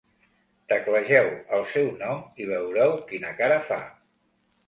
Teclegeu el seu nom i veureu quina cara fa.